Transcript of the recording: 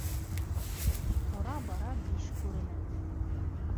Тора-бара биш күренә.